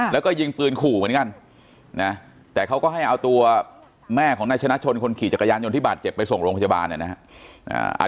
แล้วก็ยิงปืนขู่เหมือนกันนะแต่เขาก็ให้เอาตัวแม่ของนายชนะชนคนขี่จักรยานยนต์ที่บาดเจ็บไปส่งโรงพยาบาลนะครับ